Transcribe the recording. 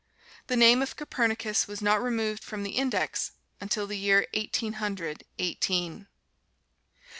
The name of Copernicus was not removed from the "Index" until the year Eighteen Hundred Eighteen.